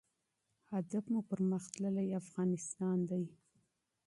منزل مو یو پرمختللی افغانستان دی.